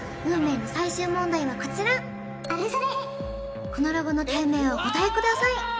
運命の最終問題はこちらこのロゴの店名をお答えください